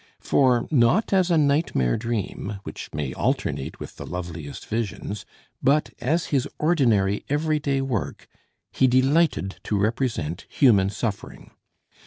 For, not as a nightmare dream, which may alternate with the loveliest visions, but as his ordinary everyday work, he delighted to represent human suffering.